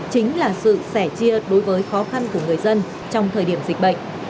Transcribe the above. chính là sự sẻ chia đối với khó khăn của người dân trong thời điểm dịch bệnh